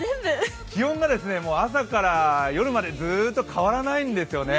気温が朝から夜までずっと変わらないんですよね。